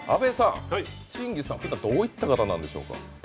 チンギスさん、ふだんどういった方なんでしょうか？